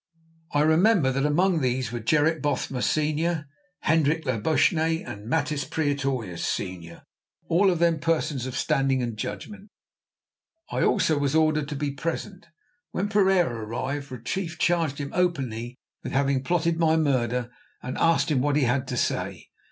I remember that among these were Gerrit Bothma, Senior, Hendrik Labuschagne and Matthys Pretorius, Senior, all of them persons of standing and judgment. I also was ordered to be present. When Pereira arrived, Retief charged him openly with having plotted my murder, and asked him what he had to say.